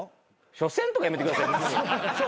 「しょせん」とかやめてください。